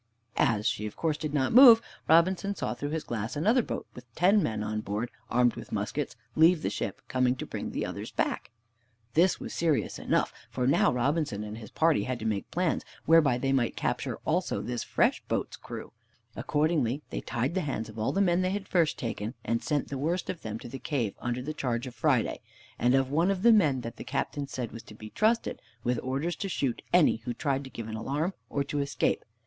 As she of course did not move, Robinson saw through his glass another boat with ten men on board, armed with muskets, leave the ship, coming to bring the others back. This was serious enough, for now Robinson and his party had to make plans whereby they might capture also this fresh boat's crew. Accordingly, they tied the hands of all the men they had first taken, and sent the worst of them to the cave under the charge of Friday and of one of the men that the Captain said was to be trusted, with orders to shoot any who tried to give an alarm or to escape.